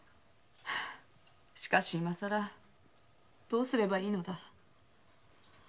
しかし今更どうすればいいのだ。